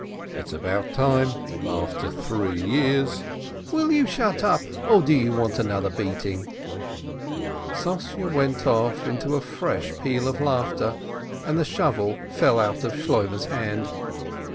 "It's about time ! After three years !" "Will you shut up, or do you want another beating ?" Sossye went off into a fresh peal of laughter, and the shovel fell out of Shloimeh's hand.